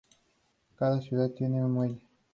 Cada ciudad tiene un muelle.